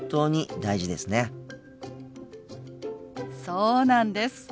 そうなんです。